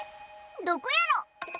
どこやろ？